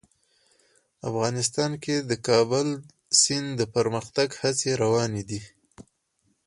افغانستان کې د کابل سیند د پرمختګ هڅې روانې دي.